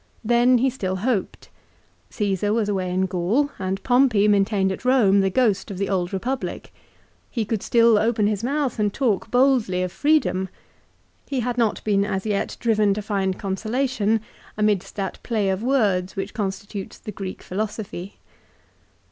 Then he still hoped. Csesar was away in Gaul, and Pompey maintained at Eome the ghost of the old Eepublic. He could still open his mouth and talk boldly of freedom. He had not been as yet driven to find con solation amidst that play of words which constitutes the Greek philosophy.